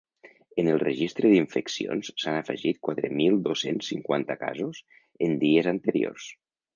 En el registre d’infeccions s’han afegit quatre mil dos-cents cinquanta casos en dies anteriors.